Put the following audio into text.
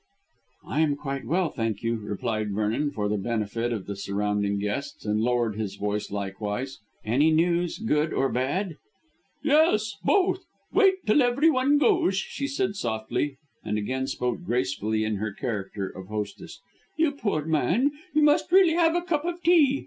"I am quite well, thank you," replied Vernon, for the benefit of the surrounding guests, and lowered his voice likewise: "Any news, good or bad?" "Yes; both. Wait till everyone goes," she said softly, and again spoke gracefully in her character of hostess. "You poor man, you really must have a cup of tea.